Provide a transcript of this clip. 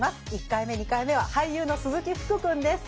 １回目２回目は俳優の鈴木福くんです。